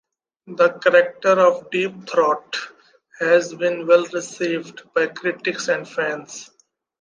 The character of Deep Throat has been well received by critics and fans.